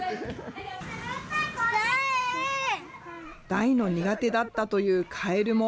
大の苦手だったというカエルも。